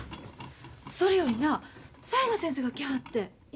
それよりな雑賀先生が来はって。